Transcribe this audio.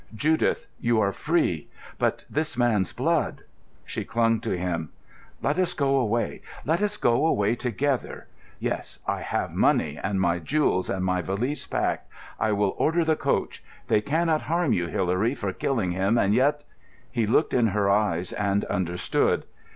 "Judith, you are free. But this man's blood——" She clung to him. "Let us go away, let us go away together. Yes, I have money, and my jewels, and my valise packed. I will order the coach. They cannot harm you, Hilary, for killing him, and yet——" He looked in her eyes and understood.